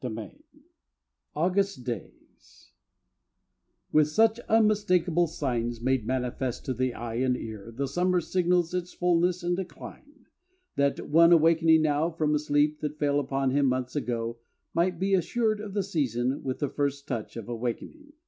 XXV AUGUST DAYS With such unmistakable signs made manifest to the eye and ear the summer signals its fullness and decline, that one awakening now from a sleep that fell upon him months ago might be assured of the season with the first touch of awakening.